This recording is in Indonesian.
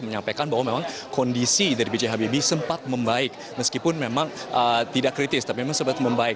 menyampaikan bahwa memang kondisi dari b j habibie sempat membaik meskipun memang tidak kritis tapi memang sempat membaik